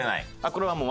これはもう。